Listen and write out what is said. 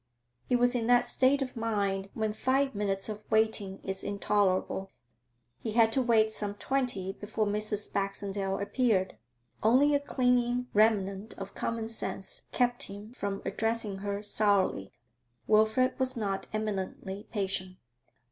He was in that state of mind when five minutes of waiting is intolerable. He had to wait some twenty before Mrs. Baxendale appeared. Only a clinging remnant of common sense kept him from addressing her sourly. Wilfrid was not eminently patient.